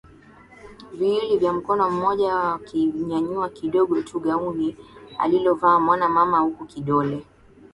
viwili vya mkono mmoja wikinyanyua kidogo tu gauni alilovalia mwana mama huku kidole